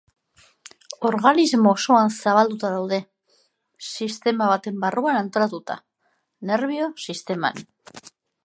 Organismo osoan zabalduta daude, sistema baten barruan antolatuta: nerbio sisteman.